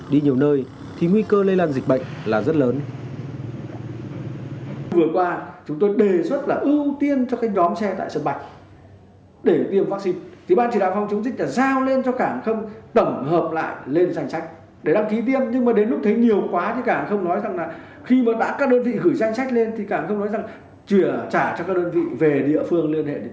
đi nhiều nơi thì nguy cơ lây lan dịch bệnh là rất lớn